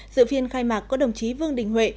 dự phiên khai mạc có đồng chí vương đình huệ